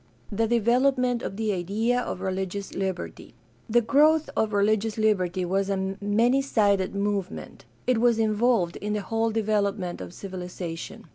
The development of the idea of religious liberty. — The growth of religious liberty was a many sided movement. It was involved in the whole development of civilization.